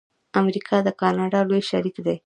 امریکا د کاناډا لوی شریک دی.